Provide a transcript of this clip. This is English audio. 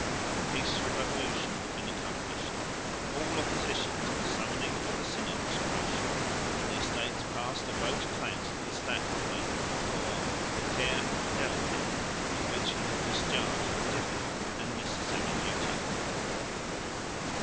A peaceful revolution had been accomplished. All opposition to the summoning of the Synod was crushed; and (November 9) the Estates passed a vote of thanks to the stadholder for "the care and fidelity" with which he had discharged a difficult and necessary duty.